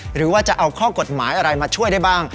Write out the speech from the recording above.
หรือว่าจะเอาข้อกฎหมายอะไรมาช่วยได้บ้าง